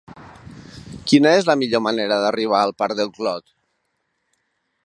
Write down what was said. Quina és la millor manera d'arribar al parc del Clot?